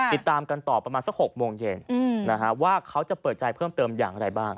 ติดตามกันต่อประมาณสัก๖โมงเย็นว่าเขาจะเปิดใจเพิ่มเติมอย่างไรบ้าง